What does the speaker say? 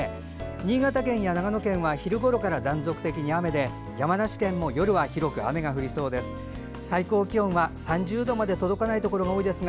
新潟県や長野県は昼ごろから断続的に雨で山梨県も夜は広く雨が降りそうです。